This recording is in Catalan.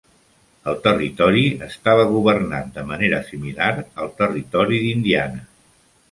El territori estava governat de manera similar al territori d'Indiana.